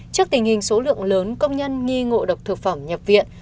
trước tình hình số lượng lớn công nhân nghi ngộ độc thực phẩm nhập viện